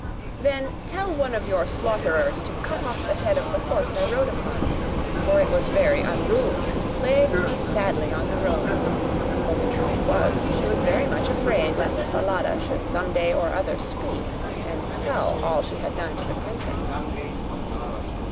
'Then tell one of your slaughterers to cut off the head of the horse I rode upon, for it was very unruly, and plagued me sadly on the road'; but the truth was, she was very much afraid lest Falada should some day or other speak, and tell all she had done to the princess.